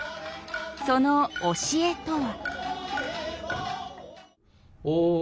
その教えとは？